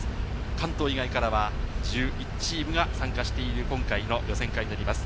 関東から以外からは１１チームが参加している今回の予選会になります。